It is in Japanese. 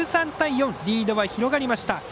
１３対４、リードは広がりました。